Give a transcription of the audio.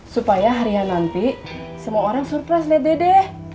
hari hari nanti semua orang surprise deh dede